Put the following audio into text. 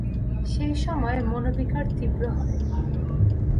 সেই সময় মনোবিকার তীব্র হয়।